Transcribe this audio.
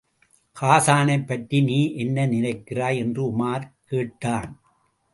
ஹாஸானைப் பற்றி நீ என்ன நினைக்கிறாய்? என்று உமார் கேட்டான்.